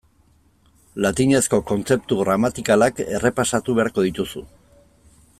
Latinezko kontzeptu gramatikalak errepasatu beharko dituzu.